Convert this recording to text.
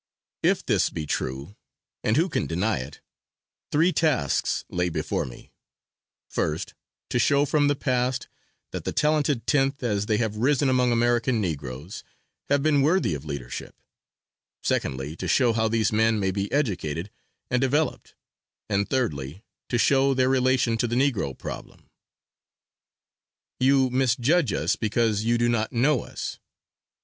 If this be true and who can deny it three tasks lay before me; first to show from the past that the Talented Tenth as they have risen among American Negroes have been worthy of leadership; secondly, to show how these men may be educated and developed; and thirdly, to show their relation to the Negro problem. You misjudge us because you do not know us.